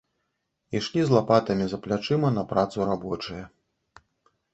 Ішлі з лапатамі за плячыма на працу рабочыя.